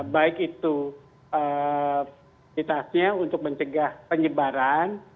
baik itu fasilitasnya untuk mencegah penyebaran